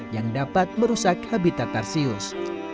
yang dapat merusak habitat tarsius